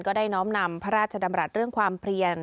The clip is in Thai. ได้น้อมนำพระราชดำรัฐเรื่องความเพลียน